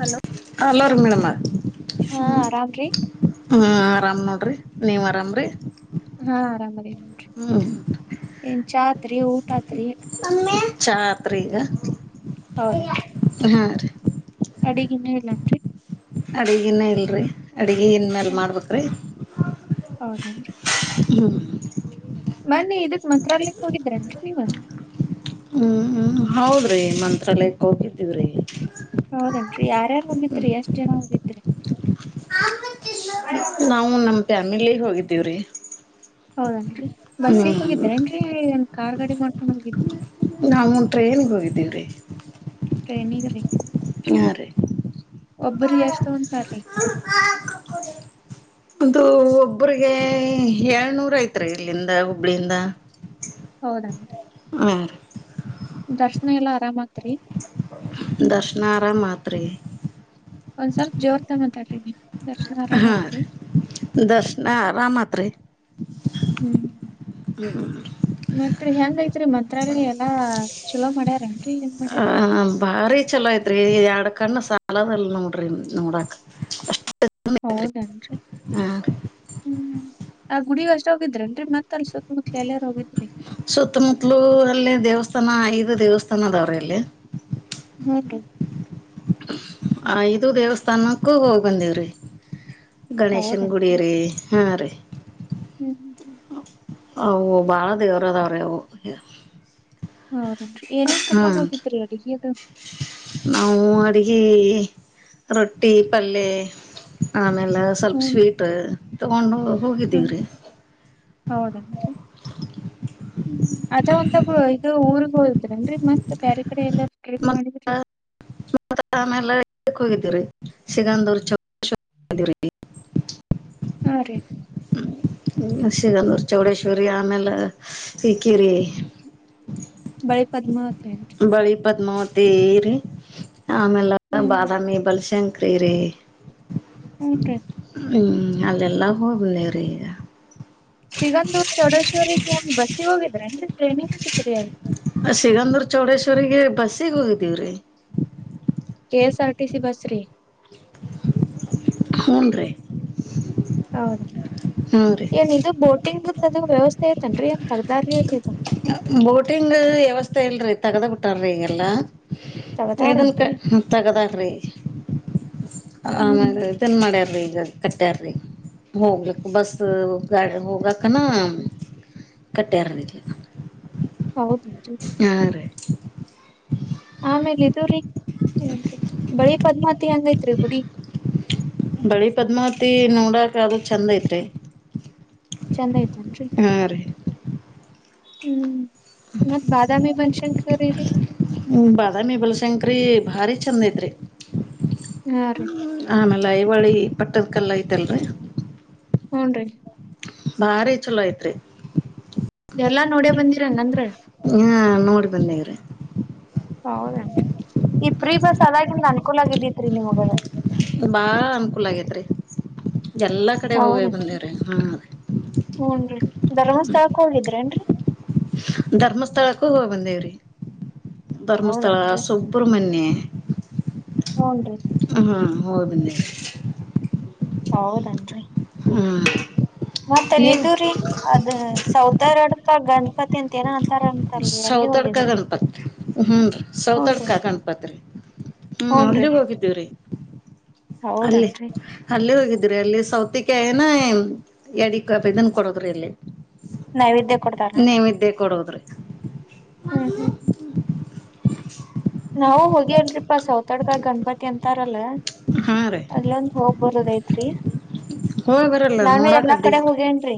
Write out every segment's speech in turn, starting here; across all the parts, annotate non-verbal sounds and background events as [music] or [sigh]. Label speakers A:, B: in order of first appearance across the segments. A: Hello
B: ಹಲೋರಿ ಮೇಡಮ್ಮ
A: ಹಾ
B: ಹ್ಮ
A: ಆರಾಮ್ರೀ
B: ಹ್ಮ್ ಆರಾಮ್ ನೋಡ್ರಿ ನೀವ್ ಆರಾಮ್ರಿ
A: ಹಾ ಆರಾಮದಿವ್ ನೋಡ್ರಿ
B: ಹ್ಮ್
A: ಏನ್ ಚಾತ್ರಿ ಊಟ ಆತ್ರಿ
B: ಚಾ ಆತ್ರೀ ಈಗ ಹಾ ರೀ
A: ಅಡಗಿನ್ನೂ ಇಲ್ಲನ್ರಿ
B: ಅಡಿಗಿನ್ನು ಇಲ್ರಿ ಅಡಿಗಿನ್ ಮೇಲೆ ಮಾಡ್ಬೇಕ್ರಿ
A: ಹೌದನ್ರಿ
B: ಹ್ಮ
A: ಮನ್ನಿ ಇದಕ್ ಮಂತ್ರಾಲಯಕ್ ಹೋಗಿದ್ರನ್ರಿ ನೀವ
B: ಹ್ಮ್ ಹ್ಮ ಹೌದ್ರಿ ಮಂತ್ರಾಲಯಕ್ ಹೋಗಿದ್ದೀವ್ರಿ
A: ಹೌದನ್ರಿ ಯಾರ್ಯರ್ ಹೋಗಿದ್ರಿ ಎಷ್ಟ್ ಜನ ಹೋಗಿದ್ರಿ
B: ನಾವು ನಮ ಫ್ಯಾಮಿಲಿ ಹೋಗಿದ್ದೀವ್ರಿ
A: ಹೌದನ್ರಿ
B: ಹ್ಮ್
A: ಬಸ್ಸಿಗ್ ಹೋಗಿದ್ರೇನ್ರಿ ಎನ್ ಕಾರ್ ಗಾಡಿ ಮಾಡ್
B: ನಾವು ಟ್ರೈನ್ಗೆ ಹೋಗಿದ್ದೀವ್ರಿ
A: ಟ್ರೇನೀಗ ರೀ
B: ಹಾ ರಿ
A: ಎಷ್ಟ್ ತಗೊಂತಾರ್ರಿ
B: ಅದು ಒಬ್ಬ್ರಿಗೆ ಏಳ್ನೂರ ಐತ್ರಿ ಇಲ್ಲಿಂದ ಹುಬ್ಳಿಯಿಂದ
A: ಹೌದನ್
B: ಹಾ ರೀ
A: ದರ್ಶನ ಎಲ್ಲ ಆರಾಮ
B: ದರ್ಶನಾರಮಾತ್ರಿ
A: ಒಂದ್ ಸ್ವಲ್ಪ ಜೋರ್ ತ ಮಾತಾಡ್ರಿ
B: ಹಾ ರೀ ದರ್ಶನ ಆರಾಮತ್ರೀ
A: ಹ್ಮ್ ಮತ್ರಿ ಹೆಂಗ್ ಐತ್ರಿ ಮಂತ್ರಾಲಯ ಎಲ್ಲಾ ಚಲೋ ಮಾಡ್ಯಾರೇನ್ರಿ ಹೆಂಗ್ ಮಾಡ್ಯಾರ
B: ಹ ಭಾರಿ ಚಲೋ ಐತ್ ರೀ ಎಡು ಕಣ್ಣ ಸಾಲದಲ್ಲಿ ನೋಡ್ರಿ ನೋಡಾಕ ಅಷ್ಟ
A: ಹೌದೇನ್ರಿ ಹ್ಮ್ ಆ ಗುಡಿಗ್ ಅಷ್ಟ ಹೋಗಿದ್ರನ್ರಿ ಮತ್ತ
B: ಸುತ್ತಮುತ್ತಲೂ ಅಲ್ಲಿ ದೇವಸ್ಥ ದಥಾನ ಐದು ದೇವಸ್ಥಾನ ಅದಾವ್ರ ಇಲ್ಲಿ
A: ಹ್ಮ ರೀ
B: ಆ ಇದು ದೇವಸ್ಥಾನಕ್ಕೂ ಹೋಗಿ ಬಂದವ್ರಿ ಗಣೇಶನ್ ಗುಡಿ
A: ಹೌದೇನ್ರಿ.
B: ರರಿ ಹಾ ರರಿ
A: ಹ್ಮ್ ಹ್ಮ್ ಹ್ಮ್
B: ಅವು ಭಾಳ ದೇವ್ರ ಅದಾವ್ರೀ ಅವು
A: ಹೌದನ್ರಿ ಏನೇನ್
B: ಹಾ
A: ಕಡ್ಕೊಂಡ್ ಹೋಗತ್ರಿ ಅಲ್ಲಿಗೆ ಅದು
B: ಅಿ ರೊಟ್ಟಿ ಪಲ್ಲೆ ಆಮೇಲೆ ಎಲ್ಲ ಸ್ವಲ್ಪ
A: ಹೂನ್ರಿ.
B: ಸ್ವೀಟ್ ತಗೊಂಡು
A: ಹ್ಮ್
B: ಹೋಗಿದ್ದೀವ್ರಿ
A: ಹ್ಮ್ ಅದ ಒಂದ ಇದು ಊರ್ಗ್ ಹೋದ್ರನ್ರರಿ ಮತ್ ಬೇರೆ ಕಡೆ ಎಲ್ಲ ಕ್ರಕ್ ಮಾಡಿದ್ರಿ
B: ಮ ಆೆಲ್ಲಕ್ ಹೋಗಿದ್ದೀವ್ರಿ ಸಿಗಂದ್ರ ಚವ್ರಿ
A: ಹಾ ರೀ
B: ಸಿಗಂದೂರು ಚೌಡೇಶ್ವರಿ ಆಮೇಲೆ ಈಕಿರಿ
A: ಬಳೆ ಪದ್ಮಾತ
B: ಬಳಿ ಪದ್ಮಾವತಿ ಇರಿೀ ಆಮೇಲೆ
A: ಹ್ಮ್
B: ಬಾದಾಮಿ ಬಲ್ಶಂಕರಿ ಇರಿೀ
A: ಹಟ
B: ಅಲ್ಲಿೇ ಲಾಭ ಹ ಬೆ ರಯಾ
A: ಸಿಗಂದೂರ್ ಚೌಡೇಶ್ವರಿರಿಗೆ ಏಂಗ ಬಸ್ಸಿ ಹೋಗಿದ್ರನ್ರಿ
B: ಅ ಸಿಗಧರ್ ಚೌಡೇಶ್ವರಿಗೆ ಬಸ್ಸಿಗೆ ಹೋಗಿದ್ದೀವ್ರಿ
A: ತ್ತ ಸಿ ಬಸ ರ
B: ಹೋನ್ ರ
A: ಹೌದೇನ್ರಿ.
B: ರೀ
A: ಏನ್ ಇದು ಬೋಟಿಂಗ್ದ್ದದ ವ್ಯವಸ್ಥೆ ಐತನ್ರರಿ ಏನ್ ತಗ್ದಾರ್ ಇಿದೆ
B: ಬೋಟಿಂಗ್ ವ್ಯವಸ್ಥೆ ಇಲ್ರರಿ ತಗದ ಬಿಟಾರೀ ಈಗೆಲ್ಲಾ ಇದನ್ ಕ
A: ತಗದಾರೇನ್ರಿ.
B: ತಗದಕ್ರಿ
A: ಹ್ಮ್
B: ಆೀ ತನ್ ಮಾಡ್ಯಾರ್ರಿ ಈಗ ಕಟ್ಟಾರಿ ಹೋಗ್ಲಿಕ್ ಬಸ್ ಗಾಡಿ ಹೋಗಕನಾ ಕಟ್ಟೆರ
A: ಹೌದುು
B: ರೀ
A: ಆಮೇಲ್ ಇದದುರೀ ಏನ್ರರಿ ಬಳಿ ಪದ್ಮಾತಿ ಹಂಗೈತ್ರಿ ಗುಡಿ
B: ಬಳಿ ಪದ್ಮಾವತಿ ನೋಡಕ ಆದ ಚೆಂದ ಐತ್ರಿ
A: ಚಂದ ಆಯ್ತನ್ರಿ
B: ಹಾ ರೀ
A: ಹ್ಮ್ ಮತ್ ಬಾದಾಮಿ ಬನಶಂಕರಿ ರೀ
B: ಹ ಬಾದಾಮಿ ಬಲಶಂಕರಿ ಭಾರಿ ಚಂದ ಐತ್
A: ಹಾ ರೀ
B: ಆ ಲ್ಲ ಇವಾಳಿ ಪಟ್ಟದಕಲ್ಲ ಐತಲ್ರ
A: ಹ್ನ್ ರೀ
B: ಭಾರಿ ಚಲೋ ಐತ್ರಿ
A: ಎಲ್ಲಾ ನೋಡ ಬಂದಿರನ್ನಂದ್ರ
B: ಹಾ ನೋಡಿ ಬಂದೇವ್ರಿ
A: ಹೌದೇ ಈ ಪ್ರೀ ಬಸ್ ಅದಾಗಿಂದ ಅನ್ಕೂಲ ಆಗಿದ್ದಿತ್ರಿ ನಿಮ್ಗೆಲೆ
B: ಕಲಾಗದ್ರ ಎಲ್ಲಾ ಕಡೆ ಹೋಗಿ
A: ಹೌದೇನ್ರಿ
B: ಬಂದೇವ್ರ ಹಾ
A: ಹೂನ್ರಿ ಧರ್ಮಸ್ಥಳಕ್ ಹೋಗಿದ್ರೇನ್ರಿ
B: ಧರ್ಮಸ್ಥಳಕ್ಕೂ ಹೋಗ ಬಂದೇವ್ರಿ ಧರ್ಮಸ್ಥಳ ಸುಬ್ರ್ಮಣ್ಯ
A: ಮೂನ್
B: ಹೋಗನ್ನ
A: ಹೌದನ್ರಿ
B: ಹ್ಮ್
A: ಮತ್ತ ಅಲ್ಲ
B: ನೀವು
A: ಇದೂ್ರರಿ ಅದ ಸೌತಾರಡ್ಕ ಗಣಪತಿ ಅಂತ ಏನಂತ
B: ಸೌತಡ್ಕ ಗಣಪತ್ ರರಿ ಹ್ಞೂ ರೀ ಸೌತಡ್ಕ
A: ಹೂನ್ರಿ
B: ಗಣಪತ್ ರರಿ ಹ್ಮ
A: ಹೂನ್ರಿ
B: ಅಲ್ಲಿ ಹೋಗಿದ್ದೀವ್ರೀ ಅಲ್ಲಿೇ
A: ಹೌದೇನ್ರಿ
B: ಅಲ್ಲೇ ಹೋಗಿದ್ದ ಇದ್ರಿ ಅಲ್ಲಿ ಸೌತೆಕ ಏನ ಎಡಿ ಇದನ್ ಕೊಡೋದ್ರಿ ಅಲ್ಲಿ
A: ನೈವೇದ್ಯ ಕೊಡ್ತಾರೇನ್ರಿ
B: ನೀವಿದ್ದೇ ಕೊಡದ್ರಿ [unintelligible]
A: ಹ್ಮ್ ಹ್ಮ್ ಹ್ಮ್ ನಾವು ಹೋಗಿ ಅಲ್ರಿಪಾ ಸೌತಾಡ್ಗ ಗಣಪತಿ ಅಂತಾರಲ್ಲ
B: ಹಾ ರೀ
A: ಅಲ್ಲೊಂದು ಹೋಗ್ ಬರೋದು ಐತ್ರಿ
B: ಹೋಗಿ ಬರಲ್ಲ
A: ನಾನು
B: ನೋಡಾಕ್
A: ಎಲ್ಲಾ ಕಡೆ
B: ಅಡ್ಡಿಲ್ಲ
A: ಹೋಗೆನ್ರೀ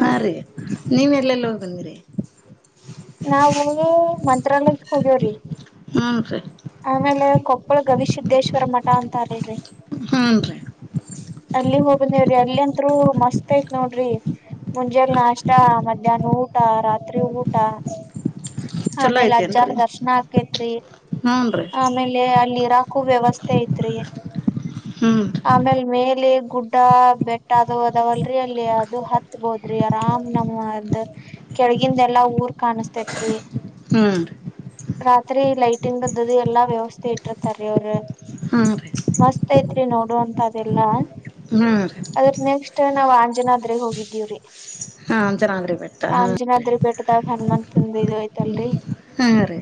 B: ಹಾ ರೀ ನೀವು ಎಲ್ಲೆಲ್ಲ ಹೋಗಂದಿರಿ [inaudible]
A: ನಾವು ಮಂತ್ರಾಲಯ ಹೋಗ್ಯವ್ರಿ
B: ಹ್ಮನ್ಫರಿ [unintelligible]
A: ಆಮೇಲೆ ್ರಿ [unintelligible]
B: ಹಾನ್ ರೀ [inaudible]
A: ಅಲ್ಲಿ ಹೋಗಂದೇವ್ರಿ ಅಲ್ಲಿ ವ್ಯೂ ಮಸ್ತ್ ಆಯತ್ ನೋಡ್ರಿ ಮುಂಜೆಲ್ ನಾಷ್ಟ ಮಧ್ಯಾಹ್ನ ಊಟ ರಾತ್ರಿ ಊಟ
B: ಚಲೋ
A: ಆಮೇಲೆ ಅಜ್ಜಾರ್
B: ಐತೇನ್ರಿ
A: ದರ್ಶನ ಆಕೇತ್ರಿ
B: ಹ್ಞೂ ರೀ
A: ಆಮೇಲೆ ಅಲ್ಲಿ ಹಿರಕು ವ್ಯವಸ್ಥೆ ಐತ್ರಿ
B: ಹ್ಞೂ ರೀ
A: ಆಮೇಲ್ ಮೇಲೆ ಗುಡ್ ಬೆಟ್ಟ ಅದು ಅದಾವಲ್ರರಿ ಅಲ್ಲಿ ಅದು ಹತ್ಬೋದ್ರಿ ಆರಾಮ್ ನಮ್ಮದ ಕೆ ಕೆಳಗಿಂದು ಎಲ್ಲಾ ಊರ್ ಕಾಣಿಸಸ್ತೇತ್ರಿ
B: ಹ್ಞೂ ರೀ
A: ರಾತ್ರಿ ಲೈಟಿಂಗ್ ಬದ್ದ್ದ ಎಲ್ಲಾ ವ್ಯವಸ್ಥೆ ಇಟ್ಟಿತಾರೀ ಅವ್ರ
B: ಹಾ ರೀ [inaudible]
A: ರಾತ್ರಿ ನೋಡು ಅಂತದೆಲ್ಲಾ
B: ಹ್ಮ
A: ನಾವು ಆಂಜನಾದ್ರೆ ಹೋಗಿದ್ದೀವ್ರೀ
B: ಹಾ ಅಂಜನ್ ಅಂದ್ರೆ ಬೆಟ್ಟ ಹಾರಿ
A: ಹನುಮಂತಂದ ಇ ಆಯ್ತಲ್ರಿ
B: ಹಾ ರೀ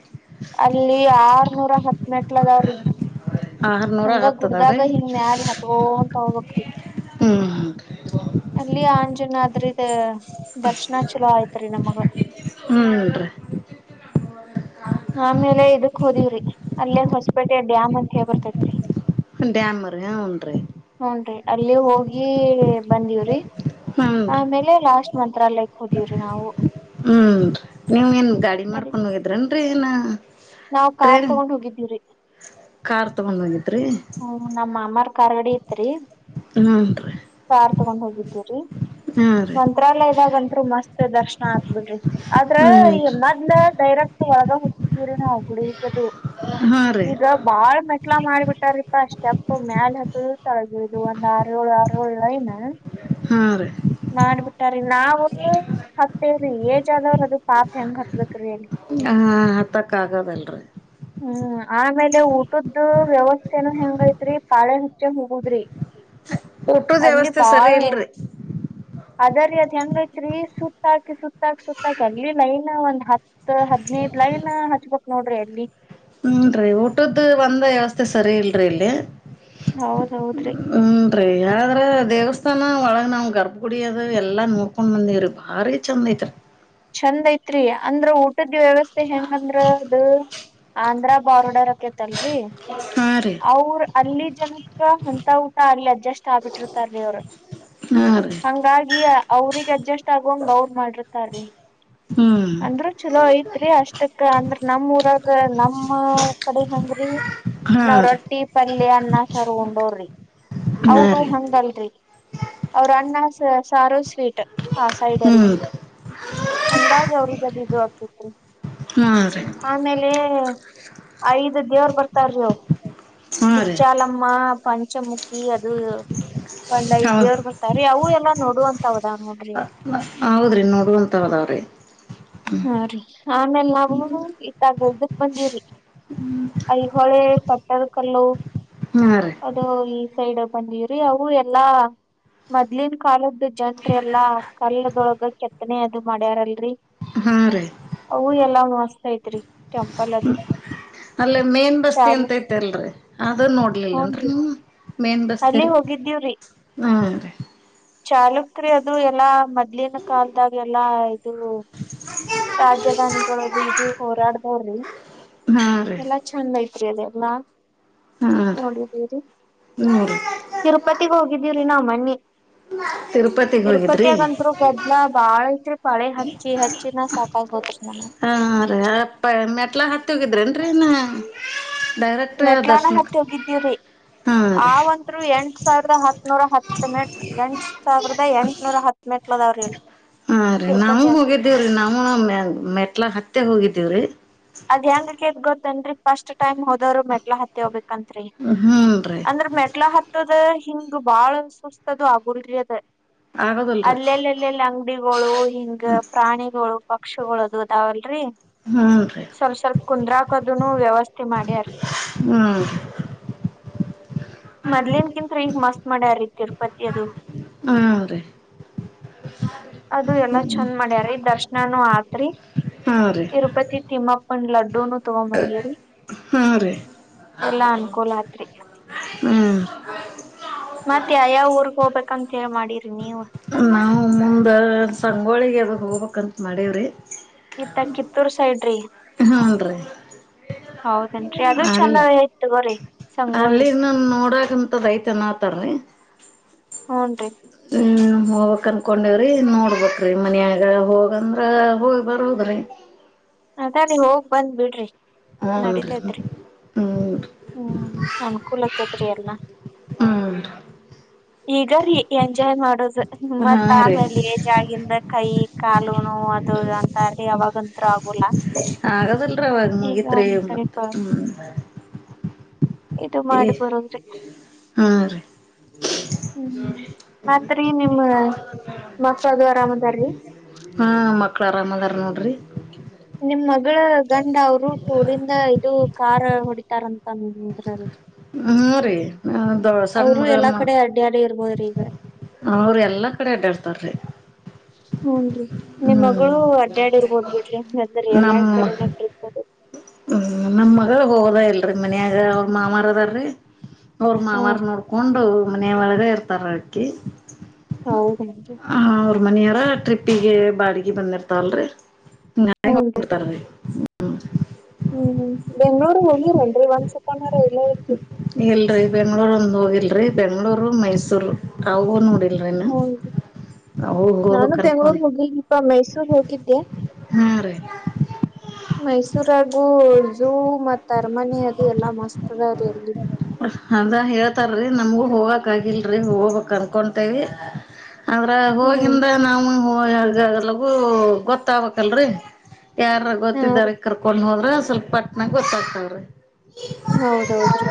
A: ಅಲ್ಲಿ ಆರ್ನೂರ ಹತ್ತು ನೆಟ್ಲ ಗ ಅವ್ರರಿ [unintelligible]
B: ಆ ಆರ್ನೂರ ಹತ್ತದ್ರೀ
A: ಗ ಹಿಂಗ ಮ್ಯಾಲ ಹತ್ಕೊಂತ
B: ಹ್ಞೂ
A: ಅಲ್ಲಿ ಆ [unintelligible] ಜನ ಆದ್ರ ಇದ ದರ್ಶನ ಚಲೋ ಆಯ್ತ್ರಿ ನಮಗ [unintelligible]
B: ಹ್ಮ್ ನ್ರಿೀ [unintelligible]
A: ಆಮೇಲೆ ಇದಕ್ ಹೋದೀವ್ರಿ ಅಲ್ಲೇ ಹೊಸಪೇಟೆ ಡ್ಯಾಮ್ ಅಂತ ಹೇಳೇ ಬರ್ತೇತ್ರಿ
B: ಡ್ಯಾಮ್ ರೀ ಹ್ಞೂ ರೀ
A: ಹನ್ರಿ ಅಲ್ಲಿ ಹೋಗಿ ಬಂದವ್ರಿ
B: ಹ್ಞೂ ರೀ
A: ಆಮೇಲೆ ಲಾಸ್ಟ್ ಮಂತ್ರಾಲಯಕ್ಕೆ ಹೋದೀವ್ರಿ ನಾವು
B: ಹ್ಮ್ ನೀವ್ ಏನ್ ಗಾಡಿ ಮಾಡ್ಕೊಂಡ್ ಹೋಗಿದ್ರನ್ರರಿ ಏನ
A: ನಾವ್ ಕಾರ್
B: ಟ್ರೈನ್
A: ತಗೊಂಡ್ ಹೋಗಿದ್ದೀವ್ರಿ
B: ಕಾರ್ ತಗೊಂಡ್ ತಗೊಂಬಂದಿಂದ್ರೀ
A: ಹ್ಮ್ ನಮ್ಮಮ್ಮಾರ್ ಕಾರ್ಗಡಿ ತ್ರಿ
B: ಹೂನ್ರಿ
A: ಕಾರ್ ತಗೊಂಡ್ ಹೋಗಿದ್ರಿ
B: ಹಾ ರೀ
A: ಮಂತ್ರಾಲಯದಾಗಂರು ಮಸ್ತ್ ದರ್ಶನ ಹಾಕ್ಬಿಡ್ರಿ ಆದ್ರ
B: ಹ್ಮ್
A: ಈ ಮದ್ಲ ಡೈರೆಕ್ಟ್ [inaudible] ಹಕ್ಕಿದ್ದೀರಿ ನಾವು ಗುಡಕ್ಕೆದು
B: ಹಾ ರೀ
A: ಈಗ ಬಾಳ್ ಮೆಟ್ಲಾ ಮಾಡಿಬಿಟ್ಟ [unintelligible] ರೀಪಾ ಅಷ್ಟೆ ಅಪ್ಪ ಮ್ಯಾಲ ಹ ತುಳ್ತಾಳ್ದದು ಇದು ಒಂದ ಆರು ಏಳು ಆರ ಏಳ್ುಏನ್ [unintelligible]
B: ಹಾಂ ರೀ [inaudible]
A: ನಾವ್ ಹತ್ತೇವ್ರಿ ಏಜ್ ಆದವ್ರರು ಅದು ಪಾಪ ಹೆಂಗ್ ಹತ್ಬೇಕ್ರೀ ಹೇಳಿ
B: ಹತ್ತಕ್ಕ ಆಗದಲ್ರಿ
A: ಹ್ಮ್ ಆಮೇಲೆ ಊಟದ್ದು ವ್ಯವಸ್ಥೆನ ಹೆಂಗ ಹೆಂಗೈತ್ರೀ ಪಾಳೆ ಹಚ್ಚೆ ಹೋಗೋದ್ರಿ
B: ಊಟದ್ ವ್ಯವಸ್ಥೆ ಸರಿ ಇಲ್ರಿ
A: ಅದ ರೀ ಅದ ಹೆಂಗೈತ್ರೀ ಸುತ್ತಾಕಿ ಸುತ್ತಾಕಿ ಸುತ್ತಾಕಿ ಅಲ್ಲಿ ಲೈನ್ ಒಂದ್ ಹತ್ತು ಹದ ನೀ ಲೈನ್ ಹಚ್ಬಕ್ ನೋಡ್ರಿ ಅಲ್ಲಿ
B: ಹ್ಮ ಹುಂಡ್ರಿ ಊಟದೊಂದು ಒಂದ ವ್ಯವಸ್ಥೆ ಸರಿ ಇಲ್ರಿ ಇಲ್ಲಿ
A: ಹೌದ್ ಹೌದ್ರಿ
B: ಹ್ಮೀ ಯಾರಾದ್ರೆ ದೇವಸ್ಥಾನ ತನ ಒಳಗೆ ನಾವು ಗರ್ಭ ಕುುಡಿಯೋದು ಎಲ್ಲ ನೋಡ್ಕೊಂಡು ಬಂದೀವಿ ರೀ ಭಾರಿ ಚೆಂದ ಐತ್ ರೀ
A: ಚಂದ ಐತ್ರಿ ಅಂದ್ರ ಊಟದ್ದ ವ್ಯವಸ್ಥೆ ಹೆಂಗಂದ್ರ ಅದು ಆಧ್ರ ಬಾರ್ಡರ್ಕತಲ್ರಿ
B: ಹಾ ರೀ
A: ಅವ್ರ ಅಲ್ಲಿ ಜನಕ ಅಂತ ಆಗ್ಲಿ ಅಡ್ಜಸ್ ಆಗ್ಬಿಟ್ಟಿತಾರೀ ಅವ್ರು
B: ಹಾ ರೀ
A: ಹಂಗಾಗಿ ಅವ್ರಿಗೆ ಅಡ್ಜಸ್ಟ್ ಆಗುವಂಗ ಅವ್ರ ಮಾಡಿರ್ತೀ
B: ಹ್ಮ
A: ಅಂದ್ರೂ ಚಲೋ ಐತ್ರಿ ಅಷ್ಟಕ್ಕ ಅಂದ್ರ ನಮ ಊರಾಗ ನಮ್ಮ ಕಡೆ ಹೆಂಗ್ರಿ
B: ಹಾ
A: ನಾವ್
B: ರೀ
A: ರೊಟ್ಟಿ ಪಲ್ಯ ಅನ್ನ ಸರ್ ಉೊಂಡೋ್ರಿ
B: ಹಾ
A: ಅವರು
B: ರೀ
A: ಹಂಗಲ್ರಿ ಅವ್ರ ಅನ್ನ ಸಾರೋ ಸ್ವೀಟ್ ಆ ಸೈಡ್ ಎಲ್ಲ
B: ಹ್ಮ್
A: ಹಂಗಾಗಿ ಅವ್ರಿಗೆದು ಇು ಹಾಕತ್ರಿ
B: ಹಾ ರೀ
A: ಆಮೇಲೆ ಐದು ದೇವರು ಬರ್ತಾರರು
B: ಹಾ ರೀ
A: ಬಿಚ್ಚಾಲಮ್ಮ ಪಂಚಮುಖಿ ಕಿ ಅದು ಒಂದಐ
B: ಹೌದ
A: ದೇವರು ಬರ್ತಾರೆೀ ಅವು ಎಲ್ಲ ನೋಡುವ ಅಂತ ಹದಾವ ನೋಡ್ರಿ ಅಲ್ಲಿ
B: ಹೌದ್ರಿ ನೋಡುವಂತಾವದಾವ್ರೀ
A: ಹಾ ರೀ ಆಮೇಲ್ ನಾವವು ಇತ್ತಾಗಲ್್ದಕ್ ಬಂದೀವ್ರಿ ಐಹೊಳೆ ಪಟ್ಟರ್ ಕಲ್ಲು
B: ಹಾ ರೀ
A: ಅದು ಈ ಸೈಡ್ ಬಂದಿವವ್ರಿ ಅವು ಎಲ್ಲಾ ಮೊದ್ಲಿನ ಕಾಲದ ಇದು ಜನ್ರ ಎಲ್ಲಾ ಕಲ್ಲದೊಳಗ ಕೆತ್ತನೆ ಅದು ಮಾಡ್ಯಾರಲ್ರರಿ
B: ಹಾ ರೀ
A: ಅವು ಎಲ್ಲಾ ಮಾಡಸ್ತೈತ್್ರಿ ಟೆಂಪಲ್ ಅದು
B: ಅಲ್ಲೇ ಮೇನ್ ಬಸ್ತಿ
A: ಚಾಲು
B: ಅಂತೈತಿ ಅಲ್ರರಿ ಅದ ನೋಡ್ಲಿಲ್ಲನ್ರರಿ ನೀವು ಮೇನ್ ರಸ್ತೆ
A: ಅಲ್ಲೇ
B: ರೀ
A: ಹೋಗಿದ್ದೀವ್ರಿ
B: ಹಾ ರೀ
A: ಚಾಾಲಕ್ರ ಅದು ಎಲ್ಲಾ ಮೊದ್ಲಿನ ಕಾಲದಾಗ ಎಲ್ಲಾ ಇದು ರಾಜಧಾನಿಗಳುದು ಇದು ಹೋರಾಡ್ದವ್ರಿ
B: ಹಾ ರೀ
A: ಎಲ್ಲಾ ಚಂದ ಐ ಲ್ಲಾ
B: ಹಾ ರೀ
A: ನೋಡಿದೀರಿ
B: ಹ್ಞೂ ರೀ
A: ತಿರುಪತಿಗ್ ಹೋಗಿದ್ದೀವ್ರಿ ನಾವವು ಮನ್ನಿ
B: ತಿರುಪತಿಗೆ ಹೋಗಿದ್ರಿ
A: ತಿರುಪತಿಯಗಂದರು ಗದ್ಲ ಬಾಳ ಐತ್ರಿ ಪಳೆ ಹಚ್ಚಿ ಹಚ್ಚಿನ ಫಕಾಸ್ ಹತ್ತ
B: ಹಾ ರೀ ಅಪ್ಪ ಮೆಟ್ಲ ಹತ್ತ ಹೋಗಿದ್ರೇನ್ರೀನ್
A: ಮೆಟ್ಲಾನ ಹತ್ತಿ ಹೋಗಿದ್ದೀವ್ರಿ
B: ಹಾಂ ರೀ
A: ಆಂತ್ರು ಎಂಟ್ ಸಾವಿರದ ಹತ್ನೂರ ಹತ್ತೆ ಎಂಟ್ ಸಾವಿರದ ಎಂ ನೂರ ಹತ್ತಿನೆಂಟ್ಲದ ಅವ್ರ ಇಲ್ಲಿ
B: ಹಾ ರೀ ನಾವ ಹೋಗಿದ್ದೀವ್ರಿ ನಾವವು ಮೆಟ್ಲ ಹತ್ತೆ ಹೋಗಿದ್ದೀವ್ರಿ
A: ಅದ್ಏನ್ ರೀೇದ ಗೊತ್ತೇನ್ರಿ ಫಸ್ಟ್ ಟೈಮ್ ಹೋದ್ರು ಮೆಟ್ಲ ಹತ್ತಿ ಹೋಗಬೇಕು ತ್ರಿ
B: ಹ್ಞೂ ರೀ
A: ಅಂದ್ರ ಮೆಟ್ಲ ಹತ್ತದ ಹಿಂಗ ಬಾಳ ಸುಸ್ತದು ಆಗುರ್ಲಿದ
B: ಆಗೋದಲ್ರಿ
A: ಅಲ್ಲೆಲ್ಲೆಲ್ಲೆಲ್ಲ ಅಂಗಡಿಗಳು ಹಿಂಗ ಪ್ರಾಣಿಗಳು ಪಕ್ಷಿಗಳುದು ಅದಾವಲ್ರರಿ
B: ಹ್ಮ್ ರೀ
A: ಸ್ವಲ್ಪ ಸ್ವಲ್ಪ ಕುಂದ್ರಾಕದುನು ವ್ಯವಸ್ಥೆ ಮಾಡ್ಯಾರಿ
B: ಹ್ಮ್
A: ಮೊದ್ಲೇನ್ ಕಿಂತತ್ ಈಗ ಮಸ್ತ್ ಮಾಡ್ಯಾರೀ ತಿರುಪತಿ ಅದು
B: ಹಾ ಅದೇ
A: ಅದು ಎಲ್ಲಾ ಚಂದ ಮಾಡ್ಯಾರೀ ದರ್ಶನಾನು ಆತ್ರಿ
B: ಹಾ ರೀ
A: ಇರುಪತಿ ತಿಮಪ ಲಡಡ್ಡು ನ ತಗೊಂಬಂದಿರಿ
B: ಹಾ ರೀ
A: ಎಲ್ಲಾ ಅನುಕೂಲ ಆತ್
B: ಹ್ಮ್
A: ಮತ್ತೆ ಯಾವ ಊರ್ಗ್ ಹೋಗ್ಬೇಕಂತ ಮಾಡಿ್ರಿ ನೀವು
B: ನಾವು ಮುಂದೆ ಸಂಗೋಳಿಗೆದಾಗ ಹೋಗ್ಬೇಕಂತ ಮಾಡೀವ್ರಿ
A: ಇತ್ತ ಕಿತ್ತೂರ್ ಸೈಡ್್ರಿ
B: ಹಾನ್ ರೀ
A: ಹೌದೇನ್ರಿ ಅದು ಚಂದ ತಗೋ್ರಿ
B: ಅಲ್ಲಿನ್ನು ನೋಡಕಂತದ ಐತೆಏನ್ತಾರರಿ
A: ಹ್ನ್ ರೀ [inaudible]
B: ಹೋಗ್ಕ್ ಅನ್ಕೊಂಡೇವ್ರಿ ನೋಡ್ಬೇಕ್ರಿ ಮನ್ಯಾಗ ಹೋಗಂದ್ರ ಹೋಗಿ ಬರೋದ್ರಿ
A: ಅದೇ ರೀ ಹೋಗ್ ಬಂದ್ ಬಿಡ್ರಿ
B: ಹನ್ರಿ
A: ನಡತೇತ್ರಿ
B: ಹ್ಮ್
A: ಹ್ಮ್ ಅನ್ಕೂಲಕ್ಕೇತ್ರಿ ಎಲ್ಲಾ
B: ಹಾ
A: ಈಗ ರೀ ಎಂಜಾಯ್ ಮಾಡೋದು
B: ಹಾ
A: ಮತ್
B: ರೀ
A: ಆಮೇಲೆ ಏಜ್ ಆಗಂದ ಕೈ ಕಾಲು ನೋವು ಅದು ಇದು ಅಂತರಿ ಅವಾಗಂತ್
B: ಆಗದಿಳ್ರಿ ಅವಾಗ ಮುಗತ್ರರಿ
A: ಒಂದ್
B: ಮತ್ತ
A: ಸ್ವಲ್ಪ
B: ಹ್ಮ್
A: ಇದು
B: ಏ
A: ಮಾಡಿ ಬರುದ್ರಿ
B: ಹಾ ರೀ
A: [inaudible] ಹ್ಮ್ ರೀ ನಿಮ್ಮ ಮಕ್ಕಳು ಅದು ಅರಾಮದಾರೀ
B: ಮಕ್ಕಳು ಆರಾಮಾದರೆ ನೋಡ್ರರಿ
A: ನಿಮ್ಮ್ ಮಗಳ ಗಂಡ ಅವರು ಟೂರಿಂದ ಇದು ಕಾರ್ ಹೊಡಿತಾರಂತ ಅಂದ್ರಲ್ಲ
B: ಹ್ಮ್ ರೀ ಸಣ್ಣ
A: ಅವ್ರು ಎಲ್ಲಾ
B: ಮಗಳು
A: ಕಡೆ ಅಡ್ಡ್ಯಾಡಿ ಇರ್ಬೋದ್ರಿ ಈಗ.
B: ಅವ್ರ ಎಲ್ಲಾ ಕಡೆ ಆಡಾಡ್ತಾರ್ರೀ
A: [inaudible] ಹೂನ್ರಿ ನಿಮ್ ಮಗಳು ಅಡ್ಡ್ಯಾಡಿ ಇರ್ಬೋದ್ ಬಿಡ್ರಿ [unintelligible] ಎಲ್ಲಾ
B: ನಮ್ಮ
A: ಕಡೆ ನೋಡ್ರಿರ್ಬೋದು
B: ಹ್ಮ್ ನಮ್ಮ್ ಮಗಳು ಹೋಗಡ ಇಲ್ರಿ ಮನ್ಯಾಗ ಅವ್ರ ಮಾಮರಾದ ರೀ ಅವ್ರ ಮಾವಾರ್
A: ರೀ
B: ನೋಡ್ಕೊಂಡು ಮನೆಯ ಒಳಗ ಇರ್ತಾರ ಅಕ್ಕಿ
A: ಹೌದೇನ್ರೀ
B: ಮನಿಯಾರ ಟ್ರಿಪ್ಪಿಗೆ ಬಾಡಿಗೆ ಬಂದಿರ್ತಲ್ರರಿ [unintelligible]
A: ಹೂನ್ರಿ.
B: ಬಿಡ್ತಾರೀ [unintelligible]
A: ಹ್ಮ್ ಬೆಂಗ್ಳೂರ್ ಹೋಗಿರಿನ್ರಿ ಒಂದ್ ಸತಿನರ ಇಲ್ಲ ಇಲ್ರಿ
B: ಇಲ್ರಿ ಬೆಂಗ್ಳೂರ್ ಒಂದ ಹೋಗಿಲ್ರಿ ಬೆಂಗ್ಳೂರು ಮೈಸೂರು ಅವೋ ನೋಡಿ
A: ಹೂನ್ರಿ.
B: ಹೋಗಿ
A: ನಾನು
B: ಹೋಗಬೇಕ್ ಅನ್ಕೊಂಡ
A: ಬೆಂಗ್ಳೂರ್ ಹೋಗಿಲ್ರಿಪಾ ಮೈಸೂರ್ ಹೋಗಿದ್ದೆ.
B: ಹಾ ರೀ
A: ಮೈಸೂರಾಗೂ ಝೂ ಮತ್ತ್ ಅರಮನಿ ಅದು ಎಲ್ಲಾ ಮಸ್ತ್ ಅದ ರೀ ಅಲ್ಲಿ
B: ಅದ ಹೇಳ್ತಾರೀ ನಮ್ಗೂ ಹೋಗಕ್ ಆಗಲ್ರಿ ಹೋಗ್ಬೇಕು ಅನ್ಕೊಂತೇವಿ ಅಂದ್ರೆ
A: ಹ್ಮ್
B: ಹೋಗಿಂದ ನಾವು ಲಗೂ ಗೊತ್ತಾಗಬೇಕಲ್ರಿ ಯಾರ
A: ಹಾ
B: ಗೊತ್ತಿದಾರ
A: ರೀ
B: ಕರ್ಕೊಂಡು ಹೋದ್ರ ಸ್ವಲ್ಪ ಪಟ್ಟನ ಗೊತ್ತಾಗ್ತವ್ರಿ
A: ಹೌದೌದ್ರಿ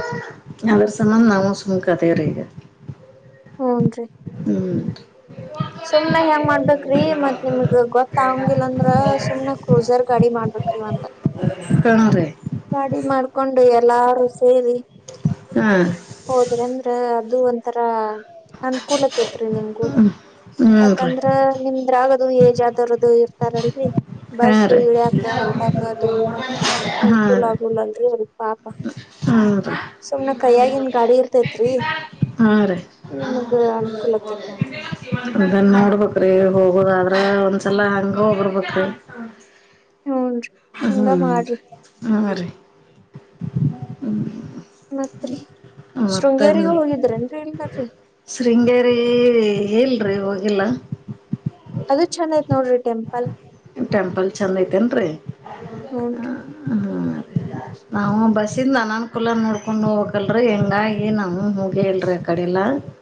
B: ಅದ್ರ ಸಂಬಂಧ ನಾವು ಸುಮ್ ಕದಿರೀ ಈಗ
A: ಹುನ್ರಿ
B: ಹ್ಮ್
A: ಸುಮ್ನ ಹೆಂಗ ಮಾಡ್ಬೇಕ್ರಿ ಮತ್ತ್ ನಿಮ್ಗ್ ಗೊತ್ತ ಆಂಗಿಲ್ಲ ಅಂದ್ರ ಸುಮ್ ಕ್ರೂಸರ್ ಗಾಡಿ ಮಾಡ್ಬೇಕ [unintelligible]
B: [unintelligible]
A: ಗಾಡಿ ಮಾಡ್ಕೊಂಡು ಎಲ್ಲಾರು ಸೇರಿ
B: ಹಾ
A: [inaudible] ಹೋದ್ರಿ ಅಂದ್ರ ಅದು ಒಂಥರ ಅನುಕೂಲತೆ ಐತ್ರಿ ನಿಮ್ಗೂ
B: ಹ್ಮ್ ರೀ
A: ಯಾಕಂದ್ರ ನಿಮ್ದ್ರ ಆಗದು [unintelligible] ಇರ್ತಾರಲ್ರರಿ
B: ಹಾ
A: ಬಸ್
B: ರೀ
A: ಇಳಿಯಕ ಹತ್ತಾಕದು ಅನ್
B: ಹಾ ರೀ
A: [unintelligible]
B: ಹ್ಮ್ ರೀ
A: ಸುಮ್ನೆ ಕೈಯಾಗಿಂದ ಗಾಡಿ ಇರ್ತತ್ರಿ
B: ಹಾ ರಿ
A: ಆಕೇತ್ ನೋಡ್ರಿ.
B: [inaudible] ಅದನ್ನ ಹೋಗ್ಬೇಕ್ರಿ ಹೋಗುದಾದ್ರ ಒಂದ್ಸಲ ಹಂಗ ಹೋಗರ್ಬೇಕ್ರಿ
A: ಹೂನ್ರಿ ಹಂಗ
B: ಹ್ಮ್
A: ಮಾಡ್ರಿ
B: ಹಾ ರೀ [inaudible] ಹ್ಮ್
A: ಮತ್ತ್ ರಿ
B: ಮತ್ತನ್ [inaudible] ಶೃಂಗೇರಿ ಎಲ್ ಹೋಗಿಲ್ಲ
A: ಅದು ಚಂದ ಆಯ್ತ್ ನೋಡ್ರಿ ಟೆಂಪಲ್
B: ಟೆಂಪಲ್ ಚೆಂದ ಐತೆನ್ರೀ
A: ಹಊಞನ್
B: ನಾವವು ಬಸ್ಸಿಂದ ಅನನ್ಕೂಲ ನೋಡ್ಕೊಂಡು ಹೋಗಕಲ್ರರಿ ಹೆಂಗಾಗಿ ನಾವ ಹಗಿ ಹೇಳಲ್ರಿ ಆ ಕಡೆಲ್ಲಾ